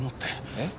えっ？